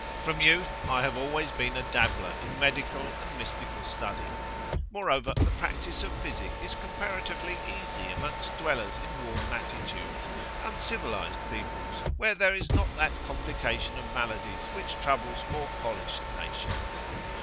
From youth I have always been a dabbler in medical and mystical study. Moreover, the practice of physic is comparatively easy amongst dwellers in warm latitudes, uncivilised peoples, where there is not that complication of maladies which troubles more polished nations.